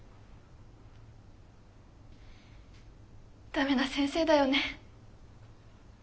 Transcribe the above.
ダメな先生だよね。